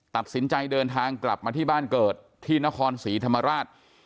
ตัดสินใจเดินทางกลับมาที่บ้านเกิดที่นครศรีธรรมราช